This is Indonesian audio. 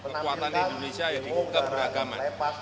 kekuatan indonesia yang diinginkan beragaman